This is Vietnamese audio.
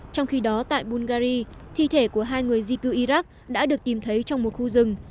trong khi đó tại bungary thi thể của hai người di cư iraq đã được tìm thấy trong một khu rừng